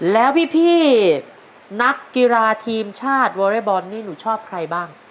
แล้วพี่นักกีฬาทีมชาติวอเรย์บอลนี่หนูชอบใครบ้าง